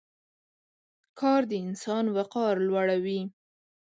کار د انسان وقار لوړوي.